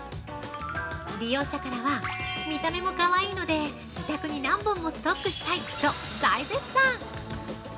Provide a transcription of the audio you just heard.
利用者からは見た目もかわいいので、自宅に何本もストックしたいと大絶賛。